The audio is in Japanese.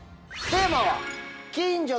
テーマは。